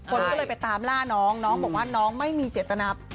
คนก็เลยไปตามล่าน้องน้องบอกว่าน้องไม่มีเจตนา